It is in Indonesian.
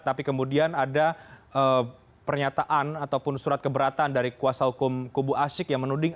tapi kemudian ada pernyataan ataupun surat keberatan dari kuasa hukum kubu asyik yang menuding